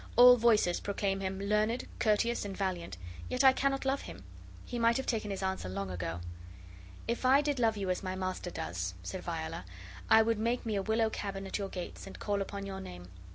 All voices proclaim him learned, courteous, and valiant; yet I cannot love him. He might have taken his answer long ago." "If I did love you as my master does," said Viola, "I would make me a willow cabin at your gates, and call upon your name.